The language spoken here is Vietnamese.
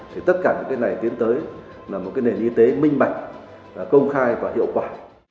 thì tất cả những cái này tiến tới là một cái nền y tế minh bạch công khai và hiệu quả